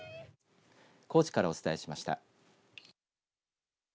高知からお伝えしました。